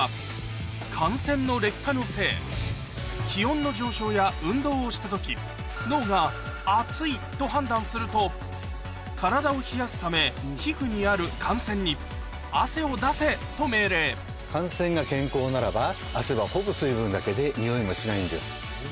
気温の上昇や運動をした時脳が暑いと判断すると体を冷やすため皮膚にある汗腺にと命令汗腺が健康ならば汗はほぼ水分だけでにおいもしないんです。